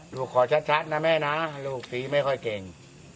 ขอชัดนะแม่นะลูกตีไม่ค่อยเก่ง